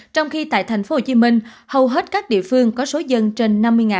trong khi tại tp hcm hầu hết các địa phương có số dân trên năm mươi